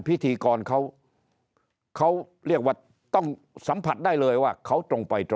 พิธีกรเขาเรียกว่าต้องสัมผัสได้เลยว่าเขาตรงไปตรง